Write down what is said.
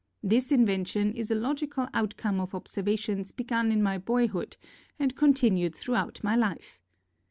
This invention is a logical outcome of observations begun in my boyhood and continued thruout my life.